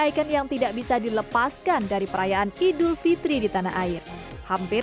ikon yang tidak bisa dilepaskan dari perayaan idul fitri di tanah air hampir